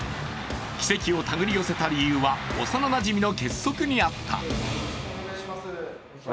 奇跡を手繰り寄せた理由は幼なじみの結束にあった。